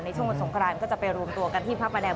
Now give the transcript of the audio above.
ช่วงวันสงครานก็จะไปรวมตัวกันที่พระประแดง